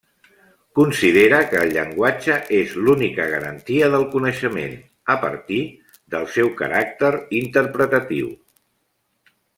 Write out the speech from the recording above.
Considera que el llenguatge és l'única garantia del coneixement, a partir del seu caràcter interpretatiu.